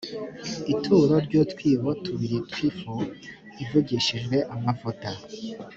ituro ry’utwibo tubiri tw’ifu ivugishijwe amavuta.